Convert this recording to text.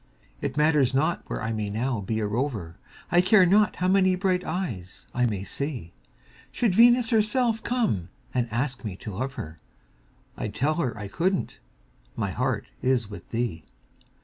It matters not where I may now be a rover, I care not how many bright eyes I may see; Should Venus herself come and ask me to love her, I'd tell her I couldn't my heart is with thee.